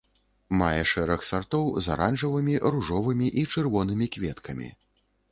Мае шэраг сартоў з аранжавымі, ружовымі і чырвонымі кветкамі.